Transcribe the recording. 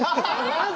マジ！？